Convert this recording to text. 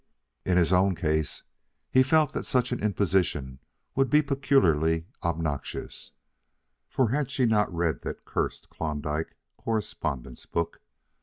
In his own case he felt that such an imposition would be peculiarly obnoxious, for had she not read that cursed Klondike correspondent's book?